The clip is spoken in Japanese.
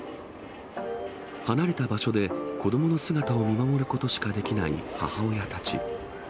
離れた場所で子どもの姿を見守ることしかできない母親たち。